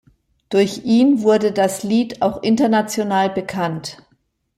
Durch ihn wurde das Lied auch international bekannt.